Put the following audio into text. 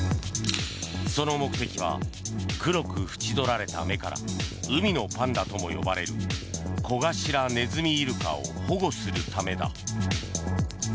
その目的は黒く縁取られた目から海のパンダとも呼ばれるコガシラネズミイルカを保護するためだ。